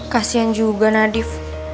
kasian juga nadif